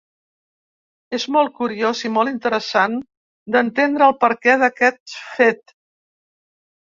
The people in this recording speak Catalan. És molt curiós i molt interessant d’entendre el perquè d’aquest fet.